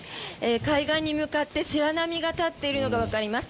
海岸に向かって白波が立っているのがわかります。